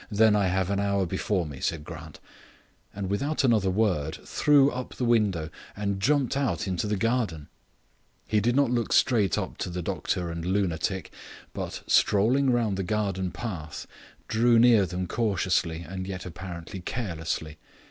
"Then I have an hour before me," said Grant, and without another word threw up the window and jumped out into the garden. He did not walk straight up to the doctor and lunatic, but strolling round the garden path drew near them cautiously and yet apparently carelessly.